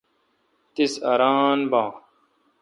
تس اران بھان۔